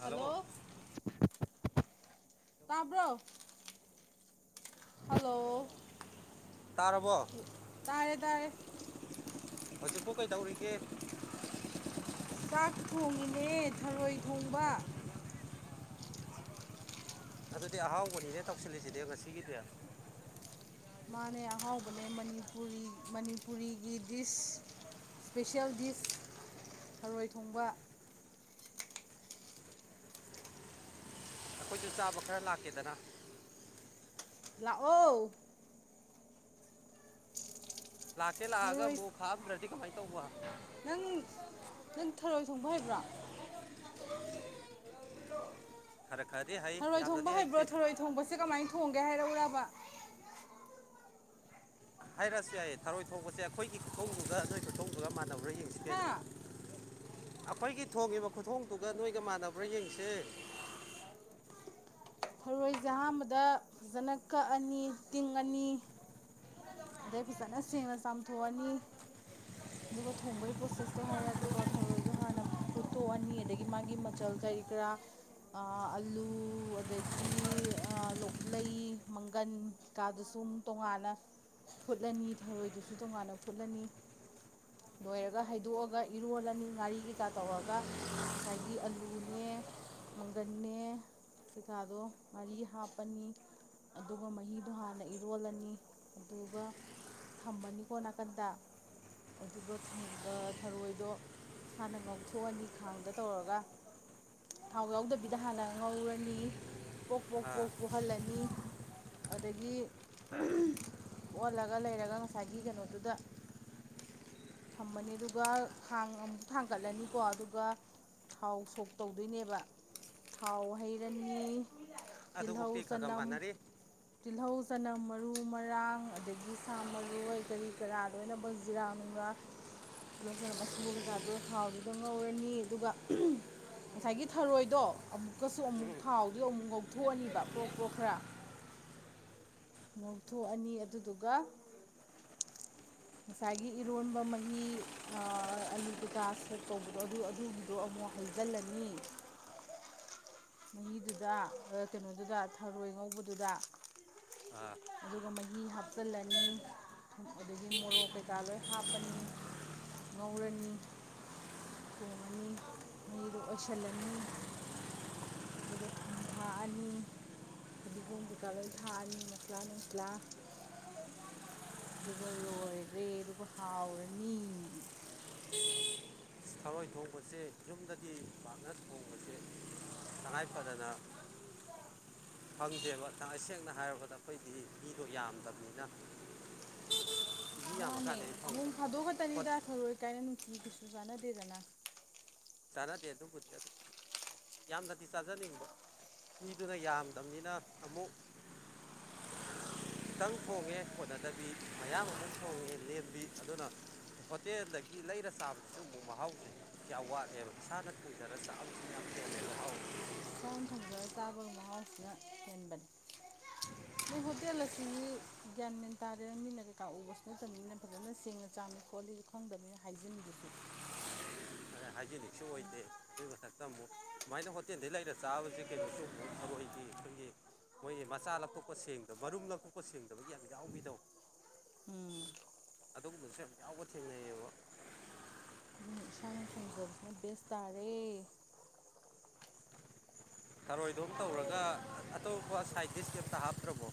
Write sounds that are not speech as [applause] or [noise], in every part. Hello ꯇꯥꯕ꯭ꯔꯣ hello ꯇꯥꯔꯕꯣ ꯇꯥꯔꯦ ꯇꯥꯔꯦ [unintelligible] ꯍꯧꯖꯤꯛꯄꯨ ꯀꯩꯗꯧꯔꯤꯒꯦ [unintelligible] ꯆꯥꯛ ꯊꯣꯡꯉꯤꯅꯦ ꯊꯔꯣꯏ ꯊꯣꯡꯕ [unintelligible] ꯑꯗꯨꯗꯤ ꯑꯍꯥꯎꯕꯅꯤꯅꯦ ꯇꯧꯁꯤꯜꯂꯤꯁꯤꯗꯤ ꯉꯁꯤꯒꯤꯗꯤ ꯃꯥꯅꯦ ꯑꯍꯥꯎꯕꯅꯦ ꯃꯅꯤꯄꯨꯔꯤ ꯃꯅꯤꯄꯨꯔꯤꯒꯤ ꯗꯤꯁ ꯏꯁꯄꯤꯁꯦꯜ ꯗꯤꯁ ꯊꯔꯣꯏ ꯊꯣꯡꯕ ꯑꯩꯈꯣꯏꯁꯨ ꯆꯥꯕ ꯈꯔ ꯂꯥꯛꯀꯦꯗꯅ꯫ ꯂꯥꯛꯑꯣ ꯂꯥꯛꯀꯦ ꯂꯥꯛꯑꯒ ꯊꯔꯣꯏ ꯑꯃꯨꯛ ꯈꯥꯛꯑꯝꯗ꯭ꯔꯗꯤ ꯀꯃꯥꯏ ꯇꯧꯕ ꯅꯪ ꯅꯪ ꯊꯔꯣꯏ ꯊꯣꯡꯕ ꯍꯩꯕ꯭ꯔꯣ ꯈꯔ ꯈꯔꯗꯤ ꯍꯩ ꯊꯔꯣꯏ ꯊꯣꯡꯕ ꯌꯥꯝꯅꯗꯤ ꯍꯩꯕ꯭ꯔꯣ ꯍꯩꯇꯦ ꯊꯔꯣꯏ ꯊꯣꯡꯕꯁꯦ ꯀꯃꯥꯏ ꯊꯣꯡꯒꯦ ꯍꯥꯏꯔꯛꯎꯨꯔꯕ꯫ ꯑ ꯍꯥꯏꯔꯛꯑꯁꯨ ꯌꯥꯏꯌꯦ ꯊꯔꯣꯏ ꯊꯣꯡꯕꯁꯦ ꯑꯩꯈꯣꯏꯒꯤ ꯈꯨꯊꯣꯡꯗꯨꯒ ꯅꯣꯏ ꯈꯨꯊꯣꯡꯗꯨꯒ ꯃꯥꯟꯅꯕ꯭ꯔꯥ ꯌꯦꯡꯁꯤ ꯀꯩꯅꯣ꯫ ꯍꯥ ꯑꯩꯈꯣꯏꯒꯤ ꯊꯣꯡꯉꯤꯕ ꯈꯨꯊꯣꯡꯗꯨꯒ ꯅꯣꯏꯒ ꯃꯥꯟꯅꯕ꯭ꯔꯥ ꯌꯦꯡꯁꯦ꯫ ꯊꯔꯣꯢꯁꯦ ꯑꯍꯥꯝꯕꯗ ꯐꯖꯅ ꯀꯛꯑꯅꯤ ꯇꯤꯡꯉꯅꯤ ꯑꯗꯩ ꯐꯖꯅ ꯁꯦꯡꯅ ꯆꯥꯝꯊꯣꯛꯑꯅꯤ [unintelligible] ꯑꯗꯨꯒ ꯊꯣꯡꯕꯒꯤ ꯄ꯭ꯔꯣꯁꯦꯁꯇꯣ ꯍꯥꯢꯔꯛꯑꯗꯤꯀꯣ ꯊꯔꯣꯢꯗꯣ ꯍꯥꯟꯅ ꯐꯨꯠꯇꯣꯛꯑꯅꯤ ꯑꯗꯒꯤ ꯃꯥꯒꯤ ꯃꯆꯜ ꯀꯔꯤ ꯀꯔꯥ ꯑ ꯑꯂꯨ ꯑꯗꯒꯤ [unintelligible] ꯂꯣꯛꯂꯩ ꯃꯪꯒꯟ ꯀꯥꯗ ꯁꯨꯝ ꯇꯣꯉꯥꯟꯅ ꯐꯨꯠꯂꯅꯤ ꯊꯔꯣꯏꯗꯢꯁꯨ ꯇꯣꯉꯥꯟꯅ ꯐꯨꯠꯂꯅꯤ ꯂꯣꯢꯔꯒ ꯍꯩꯗꯣꯛꯑꯒ ꯏꯔꯣꯜꯂꯅꯤ ꯉꯥꯔꯤ ꯀꯩꯀꯥ ꯇꯧꯔꯒ ꯉꯁꯥꯏꯒꯤ ꯑꯂꯨꯅꯦ ꯃꯪꯒꯟꯅ ꯀꯩꯀꯥꯗꯣ ꯉꯥꯔꯤ ꯍꯥꯞꯄꯅꯤ ꯑꯗꯨꯒ ꯃꯍꯤꯗꯣ ꯍꯥꯟꯅ ꯏꯔꯣꯜꯂꯅꯤ ꯑꯗꯨꯒ ꯊꯝꯃꯅꯤꯀꯣ ꯅꯥꯀꯟꯗ ꯑꯗꯨꯒ ꯊꯪꯒ ꯊꯔꯣꯢꯗꯣ ꯍꯥꯟꯅ ꯉꯧꯊꯣꯛꯑꯅꯤ ꯈꯥꯡꯗ ꯇꯧꯔꯒ ꯊꯥꯎ ꯌꯥꯎꯗꯕꯤꯗ ꯍꯥꯟꯅ ꯉꯧꯔꯅꯤ ꯄꯣꯛ ꯄꯣꯛ ꯑꯥ ꯄꯣꯛ ꯄꯨꯣꯛꯍꯜꯂꯅꯤ ꯑꯗꯒꯤ ꯄꯣꯛꯑꯜꯂꯒ ꯂꯩꯔꯒ ꯉꯁꯥꯢꯒꯤ ꯀꯩꯅꯣꯗꯨꯗ ꯊꯝꯃꯅꯤ ꯑꯗꯨꯒ ꯈꯥꯡ ꯑꯃꯨꯛ ꯊꯥꯡꯒꯠꯂꯅꯤꯀꯣ ꯑꯗꯨꯒ ꯊꯥꯎ ꯁꯣꯛ ꯇꯧꯗꯣꯢꯅꯦꯕ ꯊꯥꯎ ꯍꯩꯔꯅꯤ ꯑꯗꯨꯕꯨꯛꯇꯤ ꯇꯤꯜꯍꯧ ꯈꯔ ꯈꯔ ꯆꯅꯝ ꯃꯥꯟꯅꯔꯤ ꯇꯤꯜꯍꯧ ꯆꯅꯝ ꯃꯔꯨ ꯃꯔꯥꯡ ꯑꯗꯒꯤ ꯁꯥ ꯃꯔꯣꯢ ꯀꯔꯤ ꯀꯔꯥ ꯂꯣꯢꯅꯃꯛ ꯖꯤꯔꯥ ꯅꯅꯨꯡꯔꯥ ꯇꯤꯜꯍꯧ ꯆꯅꯝ ꯑꯁꯨꯕ ꯀꯩꯀꯥꯗꯣ ꯊꯥꯎꯖꯤꯗ ꯉꯧꯔꯅꯤ ꯑꯗꯨꯒ ꯉꯁꯥꯢꯒꯤ ꯊꯔꯣꯢꯗꯣ ꯑꯃꯨꯛꯀꯁꯨ ꯑꯃꯨꯛ ꯊꯥꯎ ꯂꯨꯝ ꯉꯧꯊꯣꯛꯑꯅꯤꯕ ꯄ꯭ꯔꯣꯛ ꯄ꯭ꯔꯣꯛ ꯈꯔ ꯉꯧꯊꯣꯛꯑꯅꯤ ꯑꯗꯨꯗꯨꯒ [unintelligible] ꯉꯁꯥꯢꯒꯤ ꯏꯔꯣꯟꯕ ꯃꯍꯤ ꯑ ꯑꯂꯨ ꯀꯩꯀꯥ ꯁꯣꯛ ꯇꯧꯕꯗꯣ ꯑꯗꯨ ꯑꯗꯨꯒꯤꯗꯣ ꯑꯃꯨꯛ ꯍꯩꯖꯜꯂꯅꯤ ꯃꯍꯤꯗꯨꯗ ꯀꯩꯅꯣꯗꯨꯗ ꯊꯔꯣꯢ ꯉꯧꯕꯗꯨꯗ ꯑꯥ ꯑꯗꯨꯒ ꯃꯍꯤ ꯍꯥꯞꯆꯤꯜꯂꯅꯤ ꯑꯗꯨꯗꯒꯤ ꯃꯣꯔꯣꯛ ꯀꯩꯀꯥ ꯂꯣꯢ ꯍꯥꯞꯄꯅꯤ ꯉꯧꯔꯅꯤ ꯊꯣꯡꯉꯅꯤ ꯃꯍꯤꯗꯣ ꯑꯣꯏꯁꯤꯜꯂꯅꯤ [unintelligible] ꯑꯗꯨꯒ ꯊꯨꯝ ꯊꯥꯛꯑꯅꯤ ꯐꯗꯤꯒꯣꯝ ꯀꯩꯀꯥ ꯂꯣꯢ ꯊꯥꯛꯑꯅꯤ ꯃꯁꯂꯥ ꯅꯨꯡꯁꯂꯥ ꯑꯗꯨꯒ ꯂꯣꯢꯔꯦ ꯑꯗꯨꯒ ꯍꯥꯎꯔꯅꯤ [unintelligible] ꯊꯔꯣꯢ ꯊꯣꯡꯕꯁꯦ ꯌꯨꯝꯗꯗꯤ ꯄꯥꯛꯅ ꯊꯣꯡꯕꯁꯦ ꯇꯉꯥꯢ ꯐꯗꯗ ꯐꯪꯗꯦꯕ ꯇꯉꯥꯢꯁꯦꯡꯅ ꯍꯥꯢꯔꯕꯗ ꯑꯩꯈꯣꯏꯗꯤ ꯃꯤꯗꯣ ꯌꯥꯝꯗꯕꯅꯤꯅ [unintelligible] ꯃꯥꯅꯦ ꯌꯥꯝꯃꯀꯥꯟꯗꯗꯤ ꯐꯪꯕ ꯅꯣꯡ ꯐꯥꯗꯣꯛ ꯍꯣꯠ ꯈꯛꯇꯅꯤꯗ ꯊꯔꯣꯢ ꯀꯥꯢꯅ ꯅꯨꯡꯇꯤꯒꯤꯁꯨ ꯆꯥꯟꯅꯗꯦꯗꯅ ꯆꯥꯅꯗꯦ ꯑꯗꯨꯕꯨꯗꯤ ꯑꯗꯨꯝ ꯌꯥꯝꯅꯗꯤ ꯆꯥꯖꯅꯤꯡꯕ ꯃꯤꯗꯨꯅ ꯌꯥꯝꯗꯕꯅꯤꯅ ꯑꯃꯨꯛ ꯈꯤꯇꯪ ꯊꯣꯡꯉꯦ ꯀꯣꯟꯅꯗꯕꯤ ꯃꯌꯥꯝ ꯑꯃꯨꯛ ꯊꯣꯡꯉꯦ ꯂꯦꯝꯕꯤ ꯑꯗꯨꯅ ꯍꯣꯇꯦꯜꯗꯒꯤ ꯂꯩꯔ ꯆꯥꯕꯁꯤꯁꯨꯕ ꯃꯨꯛ ꯃꯍꯥꯎꯁꯦ ꯀꯌꯥ ꯋꯥꯠꯂꯤꯦ ꯑꯦꯕ ꯏꯁꯥꯅ ꯊꯣꯡꯖꯔꯒ ꯆꯥꯕꯁꯨ ꯅ ꯌꯥꯝ ꯍꯦꯜ ꯂꯦ ꯍꯥꯎꯕ ꯏꯁꯅ ꯊꯣꯡꯖꯔꯒ ꯆꯥꯕꯒꯤ ꯃꯍꯥꯎꯁꯤꯅ ꯍꯦꯟꯕꯅꯤ ꯅꯣꯏ ꯍꯣꯇꯦꯜ ꯑꯁꯤꯗꯤ ꯒ꯭ꯌꯥꯟ ꯃꯦꯟ ꯇꯥꯔꯦ ꯃꯤꯅ ꯀꯩꯀꯥ ꯎꯕꯁꯨ ꯅꯠꯇꯕꯅꯤꯅ ꯐꯖꯅ ꯁꯦꯡꯅ ꯆꯥꯝꯃꯤ ꯈꯣꯠꯂꯤ ꯈꯪꯗꯕꯅꯤꯅ ꯍꯥꯏꯖꯤꯟꯗꯨ ꯁꯨ ꯍꯥꯏꯖꯤꯅꯤꯛꯁꯨ ꯑꯣꯏꯗꯦ ꯑꯗꯨꯏ ꯃꯊꯛꯇ ꯑꯃꯨꯛ ꯁꯨꯃꯥꯏꯅ ꯍꯣꯇꯦꯜꯗꯩ ꯂꯩꯔ ꯆꯥꯕꯁꯤ ꯀꯩꯅꯣꯁꯨ ꯊꯥꯔꯣꯏ ꯒꯤ ꯑꯩꯈꯣꯏꯒꯤ ꯃꯣꯏ ꯃꯆꯥ ꯂꯧꯊꯣꯛꯄ ꯁꯦꯡꯗꯕ ꯃꯔꯨꯝ ꯂꯧꯊꯣꯛꯄ ꯁꯦꯡꯗꯕꯒꯤ ꯌꯥꯝ ꯌꯥꯎꯕꯤꯗꯧ ꯎꯝ ꯑꯗꯨꯒꯨꯝꯕꯁꯨ ꯌꯥꯝ ꯌꯥꯎꯕ ꯊꯦꯡꯅꯩꯌꯦꯕ ꯑ ꯏꯁꯥꯅ ꯊꯣꯡꯖꯕꯁꯤꯅ ꯕꯦꯁ ꯇꯥꯔꯦ ꯇꯔꯣꯏꯗꯣꯝ ꯇꯧꯔꯒ ꯑꯇꯣꯞꯄ ꯁꯥꯏꯟꯇꯤꯁ ꯀꯩꯝꯇ ꯍꯥꯞꯇ꯭ꯔꯕꯣ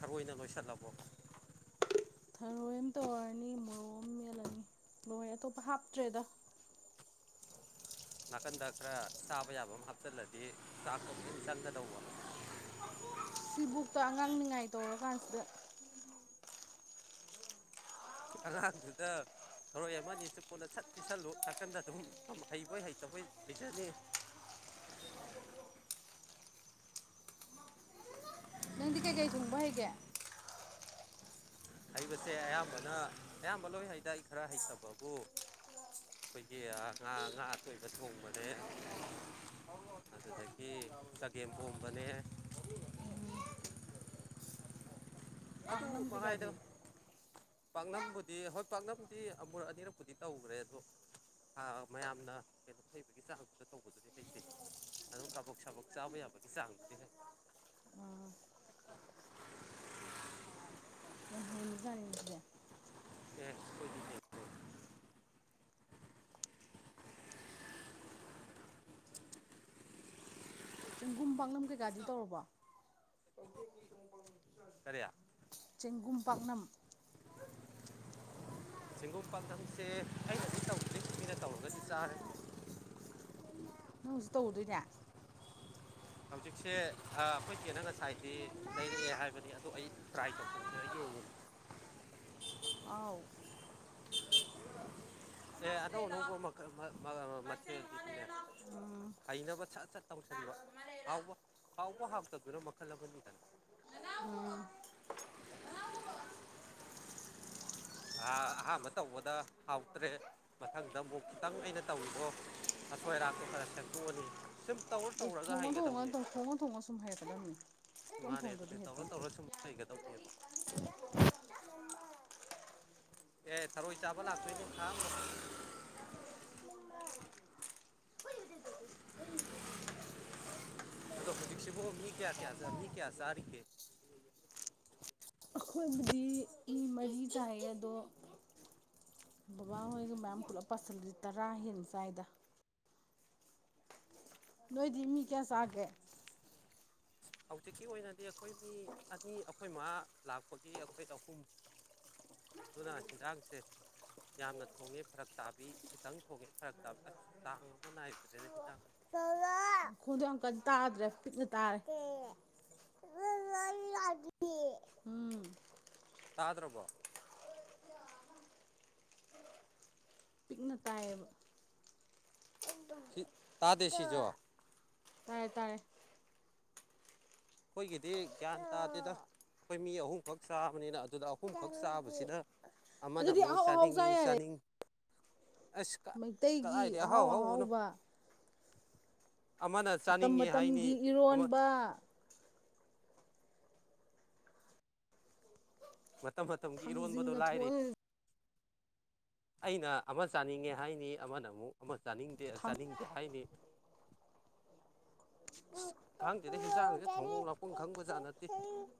ꯊꯔꯣꯏꯅ ꯂꯣꯏꯁꯤꯜꯂꯕꯣ ꯊꯔꯣꯏ ꯑꯝ ꯇꯧꯔꯅꯤ ꯃꯣꯔꯣ ꯑꯃ ꯍꯣꯏ ꯑꯇꯣꯞꯄ ꯍꯥꯞꯇ꯭ꯔꯦꯗ ꯅꯥꯀꯟꯗ ꯈꯔ ꯆꯥꯕ ꯌꯥꯕ ꯑꯃ ꯍꯥꯞꯆꯤꯜꯂꯗꯤ ꯆꯥꯛ ꯇꯣ ꯆꯪꯒꯗꯧꯕꯅ ꯁꯤꯕꯨꯛꯇ ꯑꯉꯥꯡ ꯅꯤꯉꯥꯏ ꯇꯧꯔ ꯀꯥꯟꯁꯤꯗ ꯑꯉꯥꯡꯗꯨꯗ ꯊꯣꯔꯣꯏ ꯑꯃꯅꯤ ꯆꯨꯞꯄꯣꯅ ꯁꯠ ꯄꯤꯁꯜꯂꯨ ꯅꯥꯀꯟꯗ ꯑꯗꯨꯝ ꯍꯩꯕꯣꯏ ꯍꯩꯇꯕꯣꯏ ꯂꯩꯖꯅꯤ ꯅꯪꯗꯤ ꯀꯩꯀꯩ ꯊꯣꯡꯕ ꯍꯩꯒꯦ ꯍꯩꯕꯁꯦ ꯑꯌꯥꯝꯕꯅ ꯑꯌꯥꯝꯕ ꯂꯣꯏ ꯍꯩꯗ ꯑꯩ ꯈꯔ ꯍꯩꯇꯕꯕꯨ ꯑꯩꯈꯣꯏꯒꯤ ꯉꯥ ꯉꯥ ꯑꯇꯣꯏꯕ ꯊꯣꯡꯕꯅꯦ ꯑꯗꯨꯗꯒꯤ ꯆꯒꯦꯝ ꯄꯣꯝꯕꯅꯦ [unintelligible] ꯑꯗꯨ ꯄꯥꯛꯅꯝ ꯀꯩꯀꯥꯗꯤ [unintelligible] ꯄꯥꯛꯅꯝꯕꯨꯗꯤ ꯍꯣꯏ ꯄꯥꯛꯅꯝꯗꯤ ꯑꯃꯨꯔ ꯑꯅꯤꯔꯛꯄꯨꯗꯤ ꯇꯧꯈ꯭ꯔꯦ ꯑꯗꯣ ꯑꯥ ꯃꯌꯥꯝꯅ ꯀꯩꯅꯣ ꯍꯩꯕꯒꯤ ꯆꯥꯡꯗꯨꯗ ꯇꯧꯕꯗꯨꯗꯤ ꯍꯩꯇꯦ ꯑꯗꯨꯝ ꯀꯥꯕꯣꯛ ꯁꯥꯕꯣꯛ ꯆꯥꯕ ꯌꯥꯕꯒꯤ ꯆꯥꯡꯗꯨꯗꯤ ꯍꯩ ꯌꯥꯝ ꯍꯩꯔꯝꯃꯤ ꯖꯅꯤꯅꯦ ꯗꯨꯗꯤ [unintelligible] ꯆꯦꯡꯒꯨꯝ ꯄꯥꯡꯅꯝ ꯀꯩꯀꯥꯗꯤ ꯇꯧꯔꯕꯣ ꯀꯔꯤ ꯆꯦꯡꯒꯨꯝ ꯄꯥꯛꯅꯝ ꯆꯦꯡꯒꯨꯝ ꯄꯥꯛꯅꯝꯁꯦ ꯑꯩꯅꯗꯤ ꯇꯧꯗ꯭ꯔꯤ ꯃꯤꯅ ꯇꯧꯔꯒꯗꯤ ꯆꯥꯔꯦ ꯅꯪ ꯍꯨꯖꯤꯛ ꯇꯧꯔꯨꯗꯨꯏꯅꯦ ꯍꯧꯖꯤꯛꯁꯦ ꯑꯥ ꯑꯩꯈꯣꯏ ꯆꯦꯅ ꯉꯁꯥꯏꯗꯤ ꯂꯩꯔꯛꯑꯦ ꯍꯥꯏꯕꯅꯤ ꯑꯗꯣ ꯑꯩ ꯇ꯭ꯔꯥꯏ ꯇꯧꯁꯤꯟꯕꯤ [unintelligible] ꯑꯥꯎ ꯑꯦ ꯑꯅꯧ ꯑꯅꯧꯕ ꯃꯈꯜ ꯂꯥꯛ ꯏꯆꯦ ꯃꯃꯥ ꯃꯊꯦꯜꯁꯤꯗꯤꯅꯦ ꯂꯩꯔ ꯂꯥꯛꯑꯣ ꯍꯩꯅꯕ ꯁꯠ ꯁꯠ ꯂꯥꯛ ꯇꯧꯁꯤꯟꯕ ꯃꯃꯥ ꯂꯩꯔ ꯍꯥꯎꯕ ꯍꯥꯎꯕ ꯍꯥꯎꯇꯕꯗꯨꯅ ꯃꯈꯜ ꯑꯃꯅꯤꯗꯅ [unintelligible] ꯅꯅꯥꯎ ꯄꯨꯔꯛꯑꯣ ꯑꯥ ꯑꯍꯥꯟꯕ ꯇꯧꯕꯗ ꯍꯥꯎꯇ꯭ꯔꯦ ꯃꯊꯪꯗ ꯑꯃꯨꯛ ꯈꯤꯇꯪ ꯑꯩꯅ ꯇꯧꯔꯤꯗꯣ ꯅꯁꯣꯏ ꯑꯔꯥꯛꯇꯣ ꯈꯔ ꯁꯦꯡꯇꯣꯛꯑꯅꯤ ꯁꯨꯝ ꯇꯧꯔ ꯑꯦ ꯇꯧꯔꯒ ꯊꯣꯡꯉ ꯍꯩꯒꯗꯧꯅꯦ ꯊꯣꯡꯉꯒꯪ ꯊꯣꯡꯉ ꯊꯣꯡꯉꯒ ꯁꯨꯝ ꯍꯥꯏꯔꯛꯗꯕꯅꯤ ꯏꯇꯣꯝ ꯊꯣꯡꯗ꯭ꯔꯗꯤ ꯍꯩ ꯄꯣꯟꯇꯦ ꯂꯩꯒꯗꯧꯅꯦꯕ ꯑꯦ ꯊꯥꯔꯣꯏ ꯆꯥꯕ ꯂꯥꯛꯇꯣꯏꯅꯦ ꯈꯥꯛ [unintelligible] [unintelligible] ꯑꯗꯣ ꯍꯧꯖꯤꯛꯁꯤꯕꯨ ꯃꯤ ꯀꯌꯥ ꯀꯌꯥ ꯃꯤ ꯀꯌꯥ ꯆꯥꯔꯤꯒꯦ ꯑꯩꯈꯣꯏꯕꯨꯗꯤ ꯏ ꯃꯔꯤ ꯆꯥꯏꯌꯦ ꯑꯗꯣ ꯕꯕꯥ ꯍꯣꯏꯖꯨ ꯃꯌꯥꯝ ꯄꯨꯂꯞ ꯄꯥꯁꯤꯜꯂꯗꯤ ꯇꯔꯥ ꯍꯦꯟ ꯆꯥꯏꯗ ꯅꯣꯏꯗꯤ ꯃꯤ ꯀꯌꯥ ꯆꯥꯒꯦ ꯍꯧꯖꯤꯛꯀꯤ ꯑꯣꯏꯅꯗꯤ ꯑꯩꯈꯣꯏ ꯃꯤ ꯑꯅꯤ ꯑꯩꯈꯣꯏ ꯃꯥꯥ ꯂꯥꯛꯄꯒꯤ ꯑꯩꯈꯣꯏ ꯑꯍꯨꯝ ꯑꯗꯨꯅꯥ ꯍꯦꯟꯖꯥꯡꯁꯦ ꯌꯥꯝꯅ ꯊꯣꯡꯉꯦ ꯐꯔꯛ ꯇꯥꯕꯤ ꯈꯤꯇꯪ ꯊꯣꯡꯉꯦ ꯐꯔꯛ ꯇꯥꯕꯤ ꯑꯁ ꯆꯥꯡ ꯑꯃ ꯅꯥꯏꯗ꯭ꯔꯦꯗ ꯍꯤꯟꯖꯥꯡ [unintelligible] ꯃꯈꯣꯜꯗꯨ ꯌꯥꯝ ꯀꯟꯅ ꯇꯥꯗ꯭ꯔꯦ ꯄꯤꯛꯅ ꯇꯥꯔꯦ ꯎꯝ [inaudible] ꯇꯥꯗ꯭ꯔꯕꯣ ꯄꯤꯛꯅ ꯇꯥꯏꯌꯦꯕ ꯁꯤ ꯇꯥꯗꯦ ꯁꯤꯁꯨ [unintelligible] ꯇꯥꯔꯦ ꯇꯥꯔꯦ ꯑꯩꯈꯣꯏꯒꯤꯗꯤ ꯒ꯭ꯌꯥꯟ ꯇꯥꯗꯦꯗ ꯑꯩꯈꯣꯏ ꯃꯤ ꯑꯍꯨꯝꯈꯛ ꯆꯥꯕꯅꯤꯅ ꯑꯗꯨꯗ ꯑꯍꯨꯝꯈꯛ ꯆꯥꯕꯁꯤꯗ ꯑꯃꯅ ꯑꯗꯨꯗꯤ ꯑꯃꯨꯛ ꯑꯍꯥꯎ ꯑꯍꯥꯎ ꯆꯥ ꯆꯥꯅꯤꯡꯉꯤ ꯌꯥꯔꯦ ꯆꯥꯅꯤꯡ ꯑꯁ ꯃꯩꯇꯩꯒꯤ ꯀꯗꯥꯏꯗꯩ ꯑꯍꯥꯎ ꯑꯍꯥꯎꯕꯅꫭ ꯑꯍꯥꯎꯕ ꯃꯇꯝ ꯆꯥꯅꯤꯡꯉꯦ ꯃꯇꯝꯒꯤ ꯍꯥꯏꯅꯤ ꯑꯃ ꯏꯔꯣꯟꯕ ꯃꯇꯝ ꯃꯇꯝꯒꯤ ꯏꯔꯣꯟꯕꯗꯣ ꯊꯥꯡꯖꯤꯡꯒ ꯂꯥꯏꯔꯤ ꯊꯣꯛꯑ ꯑꯩꯅ ꯑꯃꯥ ꯆꯥꯅꯤꯡꯉꯦ ꯍꯥꯏꯅꯤ ꯑꯃꯅ ꯑꯃꯨꯛ ꯑꯃ ꯆꯥꯅꯤꯡꯗꯦ ꯊꯥꯡ ꯆꯥꯅꯤꯡ ꯗꯦ ꯍꯥꯏꯅꯤ ꯑꯁ ꯈꯪꯗꯦꯗ ꯍꯤꯟꯖꯥꯡꯁꯦ ꯊꯣꯡꯕꯝ ꯂꯥꯛꯐꯝ ꯈꯪꯕꯖꯥꯠ ꯅꯠꯇꯦ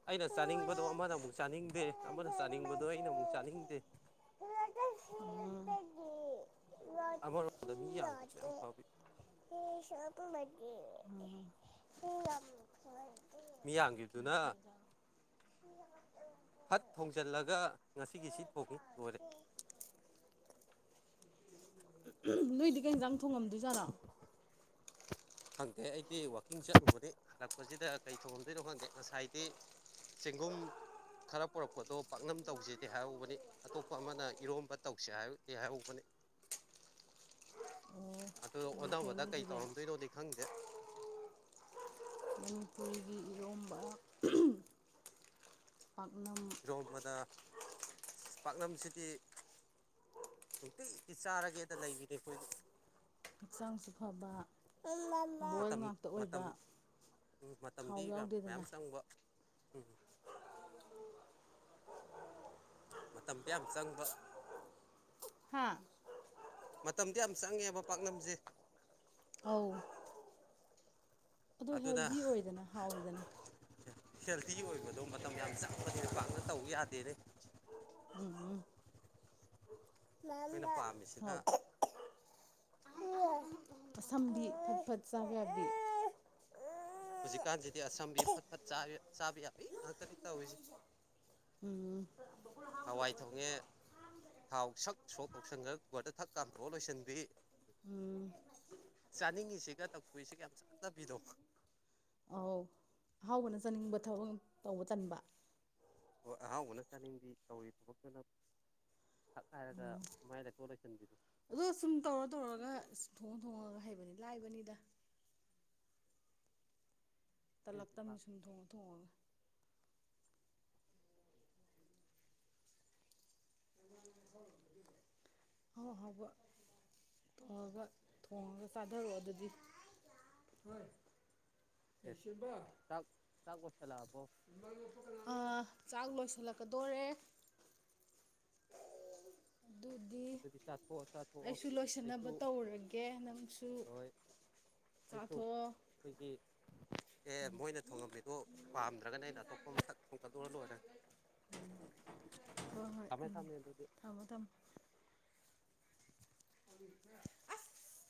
ꯑꯩꯅ ꯆꯥꯅꯤꯡꯕꯗꯣ ꯑꯃꯅ ꯑꯃꯨꯛ ꯆꯥꯅꯤꯡꯗꯦ ꯑꯃꯅ ꯆꯥꯅꯤꯡꯕꯗꯣ ꯑꯩꯅ ꯑꯃꯨꯛ ꯆꯥꯅꯤꯡꯗꯦ [unintelligible] ꯑꯃꯔꯣꯝꯗ ꯃꯤ ꯌꯥꯝꯈꯤꯕꯁꯤ ꯌꯥꯝ ꯐꯕꯥ [unintelligible] ꯃꯤꯌꯥꯝꯒꯤꯕꯗꯨꯅ ꯐꯠ ꯊꯣꯡꯖꯤꯜꯂꯒ ꯉꯁꯤꯒꯤ ꯁꯤ ꯊꯣꯡꯉꯤ ꯂꯣꯏꯔꯦ ꯅꯣꯏꯗꯤ ꯀꯩ ꯌꯦꯟꯖꯥꯡ ꯊꯣꯡꯉꯝꯗꯣꯏꯖꯥꯠꯅꯣ ꯈꯪꯗꯦ ꯑꯩꯗꯤ ꯋꯥꯛꯀꯤꯡ ꯆꯠꯂꯨꯕꯅꯤ ꯍꯜꯂꯛꯄꯁꯤꯗ ꯀꯩ ꯊꯣꯡꯉꯝꯗꯣꯏꯅꯣ ꯈꯪꯗꯦ ꯉꯁꯥꯏꯗꯤ ꯆꯦꯡꯒꯨꯝ ꯈꯔ ꯄꯨꯔꯛꯄꯗꯣ ꯄꯥꯛꯅꯝ ꯇꯧꯁꯦꯗꯤ ꯍꯥꯏꯍꯧꯕꯅꯤ ꯑꯇꯣꯞꯄ ꯑꯃꯅ ꯏꯔꯣꯝꯕ ꯇꯧꯁꯦ ꯍꯥꯏꯗꯤ ꯍꯥꯏꯍꯧꯕꯅꯤ ꯑꯣ ꯑ ꯌꯥꯝ ꯐꯩꯅꯦ ꯑꯣꯟꯅꯕꯗ ꯀꯩ ꯑꯗꯨꯗꯤ ꯇꯧꯔꯝꯗꯣꯏꯅꯣꯗꯤ ꯈꯪꯗꯦ ꯃꯅꯤꯄꯨꯔꯤꯒꯤ ꯏꯔꯣꯝꯕ [unintelligible] ꯄꯥꯛꯅꯝ ꯏꯔꯣꯝꯕꯗ ꯄꯥꯛꯅꯝꯁꯤꯗꯤ ꯅꯨꯡꯇꯤꯒꯤ ꯆꯥꯔꯒꯦꯗ ꯂꯩꯕꯤꯅꯤ ꯑꯩꯈꯣꯏꯗꯤ ꯍꯛꯆꯥꯡꯁꯨ ꯐꯕ ꯕꯣꯏꯜ ꯉꯥꯛꯇ ꯑꯣꯏꯕ ꯎꯝ ꯊꯥꯎ ꯃꯇꯝꯗꯤ ꯃꯌꯥꯝ ꯃꯌꯥꯝ ꯌꯥꯎꯗꯦꯗꯅ ꯆꯪꯕ ꯎꯝ ꯃꯇꯝꯗꯤ ꯌꯥꯝ ꯆꯪꯕ ꯍꯥꯥ ꯃꯇꯝꯗꯤ ꯌꯥꯝ ꯆꯪꯉꯦꯕ ꯄꯥꯛꯅꯝꯁꯦ ꯑꯧ ꯗꯣ ꯑꯗꯨꯅ ꯍꯦꯜꯗꯤ ꯑꯣꯏꯗꯅ ꯍꯥꯎꯋꯤꯗꯅ꯫ ꯍꯦꯜꯗꯤ ꯑꯣꯏꯕꯗꯣ ꯃꯇꯝ ꯌꯥꯝ ꯆꯪꯕꯅꯦ ꯄꯥꯛꯅ ꯇꯧ ꯌꯥꯗꯦꯅꯦ꯫ ꯎꯝ ꯑꯩꯈꯣꯏꯅ ꯃꯝꯃꯥ ꯄꯥꯝꯃꯤꯁꯤꯅ ꯍꯥꯎ ꯀꯁꯝꯗꯤ ꯐꯠ ꯐꯠ ꯆꯕ ꯌꯥꯗꯦ꯫ ꯍꯧꯖꯤꯛꯀꯥꯟꯁꯤꯗꯤ ꯑꯁꯝꯕꯤ ꯐꯠ ꯐꯠ ꯆꯥ ꯆꯥꯕ ꯌꯥꯕꯤ ꯉꯥꯛꯇꯗꯤ ꯇꯧꯔꯤꯁꯦ꯫ ꯎꯝ ꯍꯋꯥꯏ ꯊꯣꯡꯉꯦ꯫ ꯊꯥꯎ ꯁꯛ ꯁꯣꯛ ꯇꯧꯁꯟꯈ꯭ꯔꯒ ꯀꯨꯀꯔꯗ ꯊꯛ ꯀꯥꯝꯊꯣꯛꯑ ꯂꯣꯏꯁꯤꯟꯕꯤ꯫ ꯎꯝ ꯆꯥꯅꯤꯡꯉꯤꯁꯤꯒ ꯇꯧꯊꯣꯛꯏꯁꯤꯒ ꯌꯥꯝ ꯆꯥꯟꯅꯕꯤꯗꯣ꯫ ꯑꯧ ꯑꯍꯥꯎꯕꯅ ꯆꯥꯅꯤꯡꯕ ꯊꯕꯛꯅ ꯇꯧꯕ ꯇꯟꯕ꯫ ꯑꯣ ꯑꯍꯥꯎꯕꯅ ꯆꯥꯅꯤꯡꯕꯤ ꯇꯧꯔꯤ ꯊꯕꯛꯇꯅ ꯇꯛꯈꯥꯢꯔꯒ ꯃꯥꯢꯗꯇꯣꯛ ꯂꯣꯏꯁꯤꯟꯕꯤꯗꯣ꯫ ꯑꯗꯣ ꯁꯨꯝ ꯇꯧꯔ ꯇꯧꯔꯒ ꯁꯨꯝ ꯊꯣꯡꯉ ꯊꯣꯡꯉꯒ ꯍꯩꯕꯅꯤ ꯂꯥꯏꯕꯅꯤꯗ꯫ ꯑꯩ ꯇꯂꯛ ꯍꯧꯖꯤꯛ ꯇꯝꯅꯤ ꯁꯨꯝ ꯄꯥꯝꯃꯤꯁꯦ ꯊꯣꯡꯉ ꯊꯣꯡꯉꯒ꯫ ꯍꯥꯎ ꯍꯥꯎꯕ ꯇꯣꯡꯑꯒ ꯊꯣꯡꯉꯒ ꯆꯥꯊꯔꯛꯑꯣ ꯑꯗꯨꯗꯤ ꯍꯣꯏ ꯂꯩꯁꯦꯝꯕ ꯇꯥꯛ ꯆꯥꯛ ꯂꯣꯢꯁꯤꯜꯂꯛꯑꯕꯣ꯫ ꯑꯥ ꯆꯥꯛ ꯂꯣꯏꯁꯤꯜꯂꯛꯀꯗꯣꯔꯦ꯫ [inaudible] ꯑꯗꯨꯗꯤ ꯆꯥꯊꯣꯛꯑꯣ ꯆꯥꯊꯣꯛꯑꯣ ꯑꯩꯁꯨ ꯑꯩꯁꯨ ꯂꯣꯏꯁꯤꯟꯅꯕ ꯇꯧꯔꯒꯦ ꯅꯪꯁꯨ ꯀꯗꯣꯑꯣ ꯈꯣꯏꯒꯤ ꯑꯦ ꯃꯣꯏꯅ ꯊꯣꯡꯉꯝꯃꯤꯗꯣ ꯄꯥꯝꯗ꯭ꯔꯒꯅ ꯑꯩꯅ ꯑꯇꯣꯞꯄ ꯃꯁꯛ ꯊꯣꯡꯒꯠꯂꯨꯔ ꯂꯣꯏꯔꯦ꯫ [inaudible] ꯍꯣꯏ ꯍꯣꯏ ꯊꯝꯃꯦ ꯎꯝ ꯊꯝꯃꯦ ꯑꯗꯨꯗꯤ ꯊꯝꯃꯣ ꯊꯝꯃꯣ꯫ ꯑꯁ